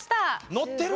のってる！